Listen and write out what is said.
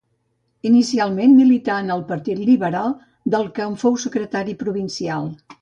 Inicialment milità en el Partit Liberal, del que en fou secretari provincial.